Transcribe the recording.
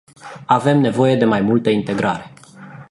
Avem nevoie de mai multă integrare.